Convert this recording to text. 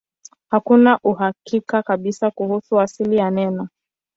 Hakuna uhakika kabisa kuhusu asili ya neno.